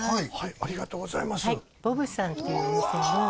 ありがとうございます。